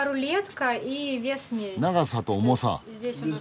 長さと重さ？